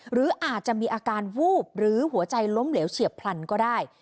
หรืออาจจะมีอาการวูบหรือหัวใจล้มเหลวเฉียบพลันก็ได้